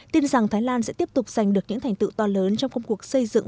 tin rằng thái lan sẽ tiếp tục giành được những thành tựu to lớn trong công cuộc xây dựng